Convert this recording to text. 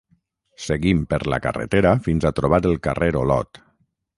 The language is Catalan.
seguim per la carretera fins a trobar el carrer Olot